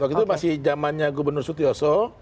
waktu itu masih zamannya gubernur sutioso